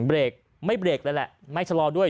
เบรกไม่เบรกเลยแหละไม่ชะลอด้วย